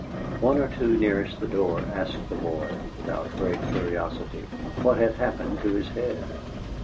One or two nearest the door asked the boy, without great curiosity, what had happened to his head.